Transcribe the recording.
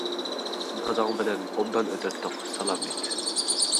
داداڭ بىلەن ئوبدان ئۆتەتتۇق سالام ئېيت!